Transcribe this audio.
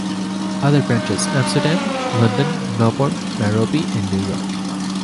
Other branches: Amsterdam, London, Melbourne, Nairobi and New York.